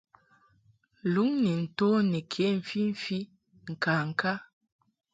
Luŋ ni nto ni ke mfimfi ŋkaŋka.